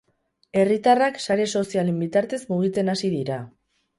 Herritarrak sare sozialen bitartez mugitzen hasi dira.